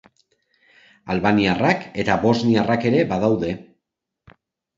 Albaniarrak eta bosniarrak ere badaude.